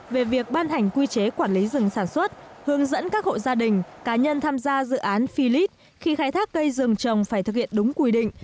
và tham gia dự án philips khi khai thác cây rừng trồng phải thực hiện đúng quy định